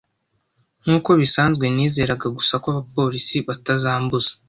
Nkuko bisanzwe, nizeraga gusa ko abapolisi batazambuza.